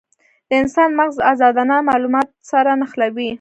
د انسان مغز ازادانه مالومات سره نښلوي.